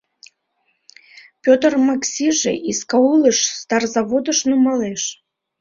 Петр Максиже Искаулыш, Старзаводыш нумалеш.